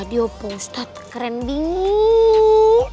kia ustadz keren banget